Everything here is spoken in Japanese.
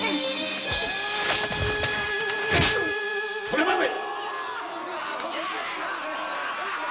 それまで！